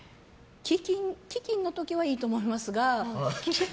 飢饉の時はいいと思いますが。